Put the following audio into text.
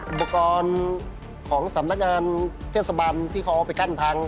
อุปกรณ์ของสำนักงานเทศบาลที่เขาเอาไปกั้นทาง